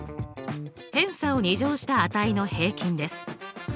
偏差を２乗した値の平均です。